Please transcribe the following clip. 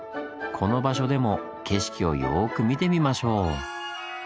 この場所でも景色をよく見てみましょう！